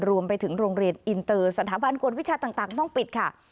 รวมไปถึงโรงเรียนอินเตอร์สถาบันกฎวิชาต่างต้องปิดค่ะ